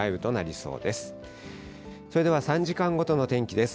それでは３時間ごとの天気です。